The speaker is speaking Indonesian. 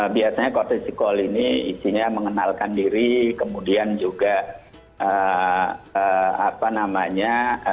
biasanya koteksi kol ini isinya mengenalkan diri kemudian juga apa namanya